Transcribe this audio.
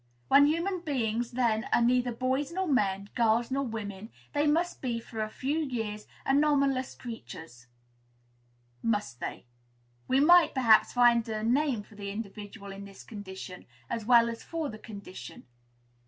When human beings, then, are neither boys nor men, girls nor women, they must be for a few years anomalous creatures, must they? We might, perhaps, find a name for the individual in this condition as well as for the condition.